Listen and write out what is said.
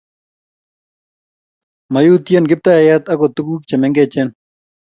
Mayutien Kiptayat akot tuguk che mengechen